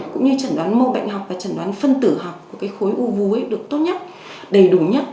cũng như trần đoán mô bệnh học và trần đoán phân tử học của cái khối u vú được tốt nhất đầy đủ nhất